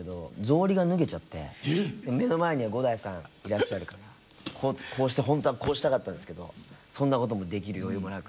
目の前には伍代さんいらっしゃるからこうしてほんとはこうしたかったんですけどそんなこともできる余裕もなく。